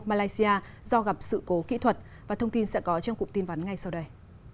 malaysia do gặp sự cố kỹ thuật và thông tin sẽ có trong cục tin vấn ngay sau đây